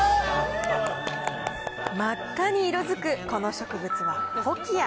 真っ赤に色づくこの植物はコキア。